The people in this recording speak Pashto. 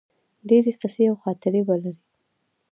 ډیرې قیصې او خاطرې به لرې